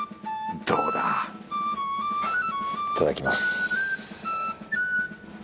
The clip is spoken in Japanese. どうだいただきます。